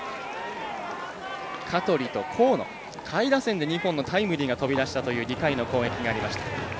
香取と河野下位打線で２本のタイムリーが飛び出した２回の攻撃がありました。